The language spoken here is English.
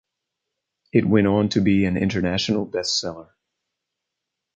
It went on to be an international bestseller.